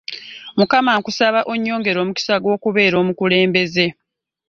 Mukama nkusab onyongerre omukisa gw'okubeera omukulemebeze .